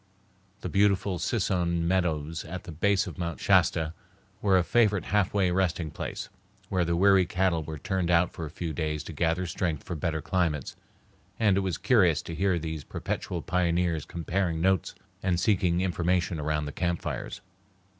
The beautiful Sisson meadows at the base of Mount Shasta were a favorite halfway resting place, where the weary cattle were turned out for a few days to gather strength for better climates, and it was curious to hear those perpetual pioneers comparing notes and seeking information around the campfires.